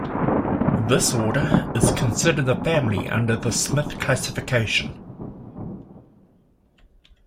This order is considered a family under the Smith classification.